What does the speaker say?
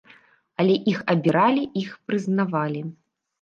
Але іх абіралі, іх прызнавалі.